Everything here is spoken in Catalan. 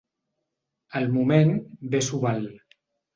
El moment bé s’ho val.